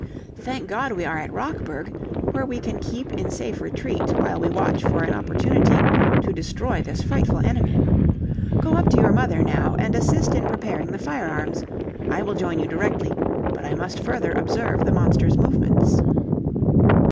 Thank God, we are at Rockburg, where we can keep in safe retreat, while we watch for an opportunity to destroy this frightful enemy. Go up to your mother now, and assist in preparing the firearms; I will join you directly, but I must further observe the monster's movements."